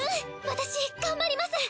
私頑張ります！